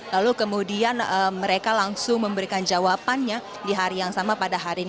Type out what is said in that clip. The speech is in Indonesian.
lalu kemudian mereka langsung memberikan jawabannya di hari yang sama pada hari ini